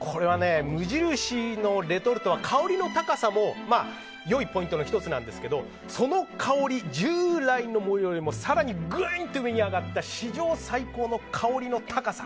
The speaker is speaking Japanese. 無印のレトルトは香りの高さも良いポイントの１つなんですけどその香り従来のものよりも更に上に上がった史上最高の香りの高さ。